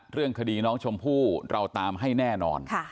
เรื่องคดีน้องชมพู่เราตามให้แน่นอน